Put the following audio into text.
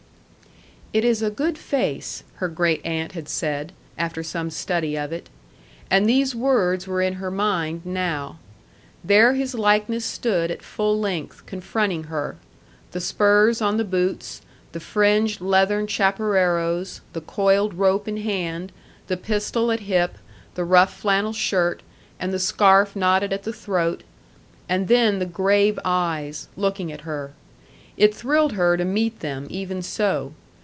"It is a good face," her great aunt had said, after some study of it. And these words were in her mind now. There his likeness stood at full length, confronting her: the spurs on the boots, the fringed leathern chaparreros, the coiled rope in hand, the pistol at hip, the rough flannel shirt, and the scarf knotted at the throat and then the grave eyes, looking at her. It thrilled her to meet them, even so.